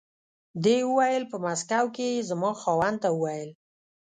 دې وویل په مسکو کې یې زما خاوند ته و ویل.